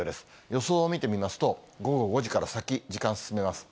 予想を見てみますと、午後５時から先、時間進めます。